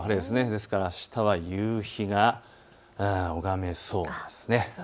ですから、あしたは夕日が拝めそうです。